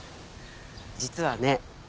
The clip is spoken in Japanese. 実はね